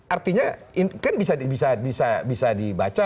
artinya kan bisa dibaca